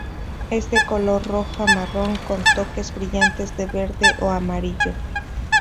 Es de color roja-marrón con toques brillantes de verde o amarillo.